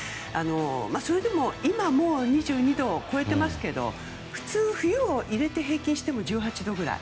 それでも今もう２２度を超えていますけど普通、冬を入れて平均しても１８度くらい。